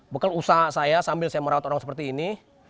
bekal usaha saya sambil saya merawat orang seperti ini